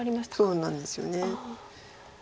そうなんですよね。